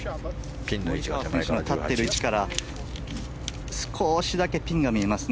立ってる位置から少しだけピンが見えますね。